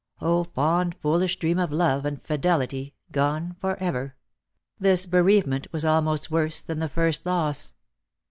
0, fond foolish dream of love and fidelity, gone for ever ! This bereave ment was almost worse than the first loss.